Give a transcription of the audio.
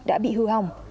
đã bị hư hỏng